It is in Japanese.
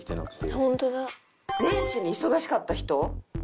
「ホントだ」「年始に忙しかった人？」